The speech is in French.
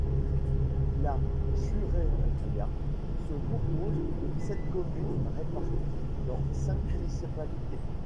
La Churrería se compose de sept communes, réparties dans cinq municipalités.